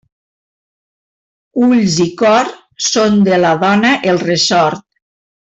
Ulls i cor són de la dona el ressort.